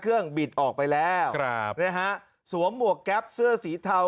เครื่องบีดออกไปแล้วครับชั่วหมวกแก๊ปเสื้อสีเทา